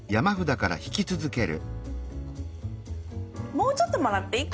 もうちょっともらっていい？